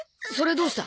どうした？